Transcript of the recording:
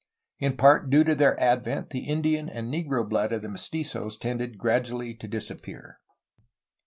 In part due to their advent the Indian and negro blood of the mestizos tended gradually to disappear.